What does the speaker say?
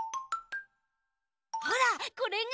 ほらこれが。